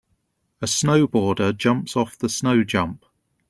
a snowboarder jumps off the snow jump.